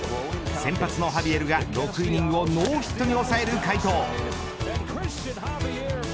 選抜のハビエルが６イニングをノーヒットに抑える快投。